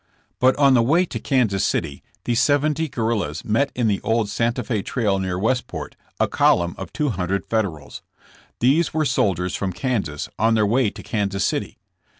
But on the way to Kansas City these seventy guer rillas met in the old Sante Fe trail near Westport a column of two hundred Federals. These were sol diers from Kansas, on their way to Kansas City.